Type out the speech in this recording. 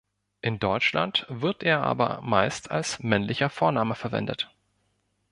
In Deutschland wird er aber meist als männlicher Vorname verwendet.